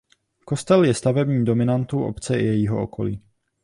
Kostel je stavební dominantou obce i jejího okolí.